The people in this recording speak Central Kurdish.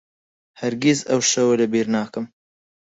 هەرگیز ئەو شەوە لەبیر ناکەم.